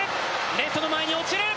レフトの前に落ちる！